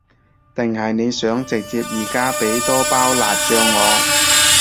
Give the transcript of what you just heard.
定係你想直接而家畀多包辣醬我？